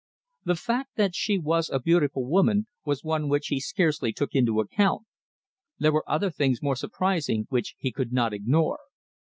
The fact that she was a beautiful woman was one which he scarcely took into account. There were other things more surprising which he could not ignore.